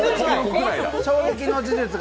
衝撃の事実が。